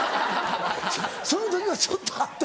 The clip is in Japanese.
その時はちょっとあった。